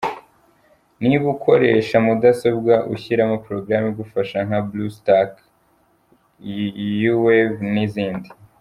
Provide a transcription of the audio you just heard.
Niba ukoresha mudasobwa ushyiramo porogaramu igufasha nka Bluestacks, YouWave n’izindi.